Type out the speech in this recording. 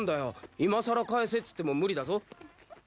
今更「返せ」っつっても無理だぞ。